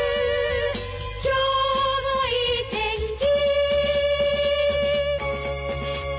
「今日もいい天気」